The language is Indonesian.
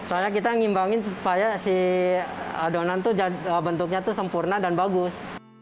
karena kita ngembangin supaya adonan bentuknya sempurna dan bagus